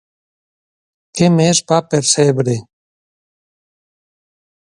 Què més va percebre?